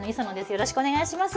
よろしくお願いします。